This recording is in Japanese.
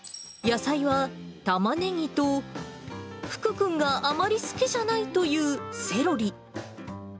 野菜はタマネギと、福君があまり好きじゃないというセロリ。